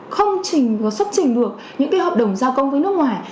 không xuất trình được những hợp đồng giao công với nước ngoài